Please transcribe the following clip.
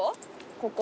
ここ。